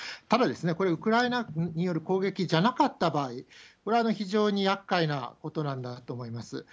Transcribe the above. ただこれ、ウクライナによる攻撃じゃなかった場合、これは非常にやっかいなことなんだと思います。